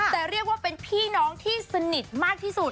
แต่เรียกว่าเป็นพี่น้องที่สนิทมากที่สุด